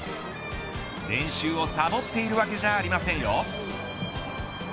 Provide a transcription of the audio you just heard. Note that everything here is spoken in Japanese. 練習をさぼっているわけじゃありませんよ。